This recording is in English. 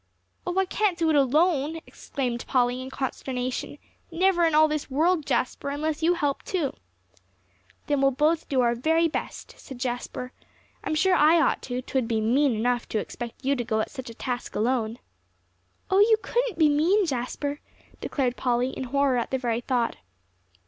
"Oh, I can't do it alone," exclaimed Polly, in consternation. "Never in all this world, Jasper, unless you help too." "Then we'll both try our very best," said Jasper. "I'm sure I ought to; 'twould be mean enough to expect you to go at such a task alone." "Oh, you couldn't be mean, Jasper," declared Polly, in horror at the very thought.